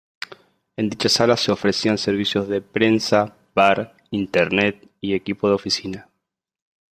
En dichas salas se ofrecían servicios de prensa, bar, internet y equipo de oficina.